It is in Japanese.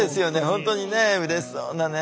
本当にねうれしそうなね。